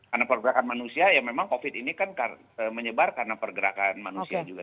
karena pergerakan manusia ya memang covid ini kan menyebar karena pergerakan manusia juga